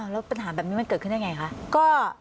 แล้วปัญหาแบบนี้มันเกิดขึ้นได้ไงคะ